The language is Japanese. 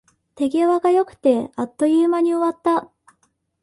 手際が良くて、あっという間に終わった